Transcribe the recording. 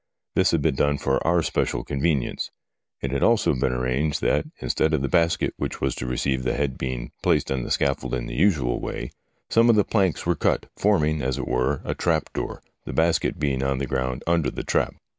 This had been done for our special convenience. It had also been arranged that, instead of the basket which was to receive the head being placed on the scaffold in the usual way, some of the planks were cut, forming, as it were, a trap door, the basket being on the ground under the trap.